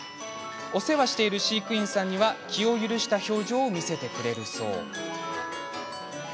お世話をしている飼育員さんには気を許した表情を見せてくれるそう。